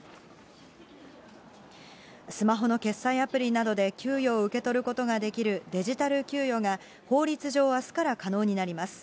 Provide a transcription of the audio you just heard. スマホの決済アプリなどで給与を受け取ることができるデジタル給与が、法律上、あすから可能になります。